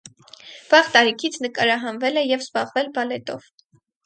Վաղ տարիքից նկարահանվել է և զբաղվել բալետով։